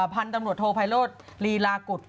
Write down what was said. พันธุ์ตำรวจโทไพโรธลีลากุฎ